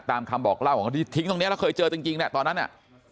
ตามคำบอกเล่าที่ทิ้งตรงนี้เราเคยเจอจริงแหละตอนนั้นน่ะ